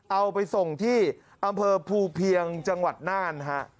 เอาไปส่งที่อำเภอภูเพียงจังหวัดน่านฮะ